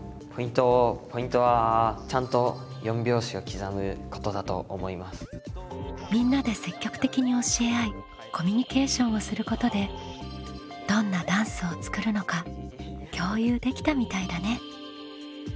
ポイントはみんなで積極的に教え合いコミュニケーションをすることでどんなダンスを作るのか共有できたみたいだね。